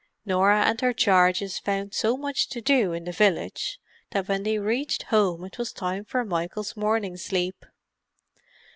Norah and her charges found so much to do in the village that when they reached home it was time for Michael's morning sleep.